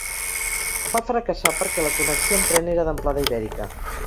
Va fracassar perquè la connexió amb tren era d’amplada ibèrica.